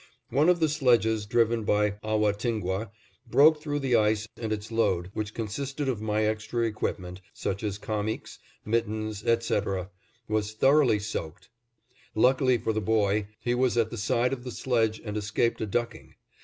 One of the sledges, driven by Ahwatingwah, broke through the ice and its load, which consisted of my extra equipment, such as kamiks, mittens, etc., was thoroughly soaked. Luckily for the boy, he was at the side of the sledge and escaped a ducking.